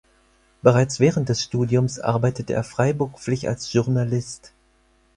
Bereits während des Studiums arbeitete er freiberuflich als Journalist.